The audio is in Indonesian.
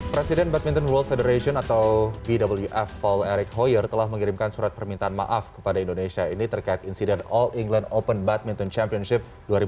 presiden badminton world federation atau bwf paul eric hoyer telah mengirimkan surat permintaan maaf kepada indonesia ini terkait insiden all england open badminton championship dua ribu dua puluh